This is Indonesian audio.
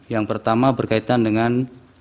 yang pertama berkaitan dengan